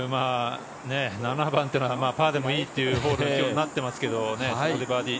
７番というのはパーでもいいということになっていますが、そこでバーディー。